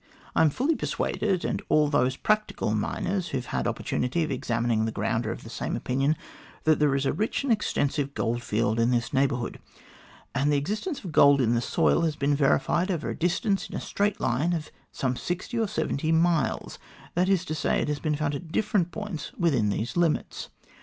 I am fully persuaded, and all those practical miners who have had opportunities of examining the ground are of the same opinion, that there is a rich and extensive goldfield in this neigh bourhood, and the existence of gold in the soil has been verified over a distance in a straight line of some sixty or seventy miles that is to say, it has been found at different points within these limits.